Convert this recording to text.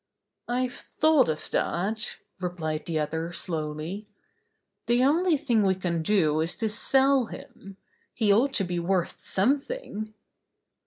"I've thought of that," replied the other slowly. "The only thing we can do is to sell him. He ought to be worth something."